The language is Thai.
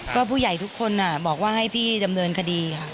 ก็ผู้ใหญ่ทุกคนบอกว่าให้พี่ดำเนินคดีค่ะ